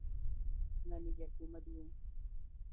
Ngani jakuo maduong.